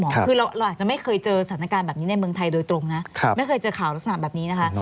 คือเราอาจจะไม่เคยเจอสถานการณ์แบบนี้ในเมืองไทยโดยตรงนะไม่เคยเจอข่าวลักษณะแบบนี้นะคะ